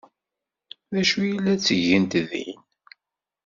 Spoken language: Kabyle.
D acu ay la ttgent din?